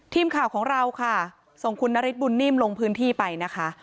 ทีมข่าวของเราค่ะส่งคุณนฤทธบุญนิ่มลงพื้นที่ไปนะคะ